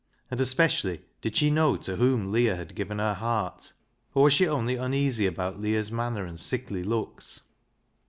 And especially did she know to whom Leah had given her heart? Or was she only uneasy about Leah's manner and sickly looks